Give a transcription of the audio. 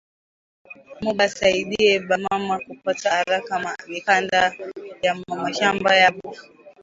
Mu ba saidiye ba mama ku pata araka ma mikanda ya ma mashamba yabo